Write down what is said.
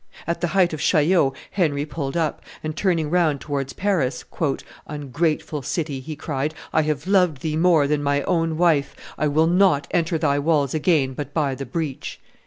At the height of Chaillot Henry pulled up, and turning round towards Paris, "Ungrateful city," he cried, "I have loved thee more than my own wife; I will not enter thy walls again but by the breach."